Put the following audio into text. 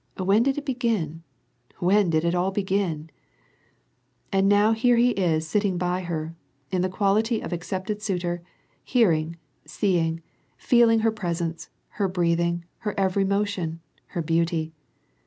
When did it begin, when did it all begin ?" And now here he is sitting by her in the quality of accepted suitor, hearing, seeing, feeling her presence, her breathing, her every motion, her beauty.